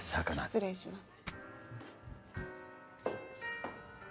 失礼します。